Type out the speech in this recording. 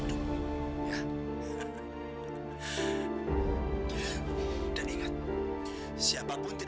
kak ica jangan lupa nangis